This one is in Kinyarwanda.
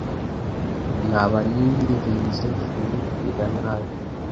Naba nirinze kukubwira nabi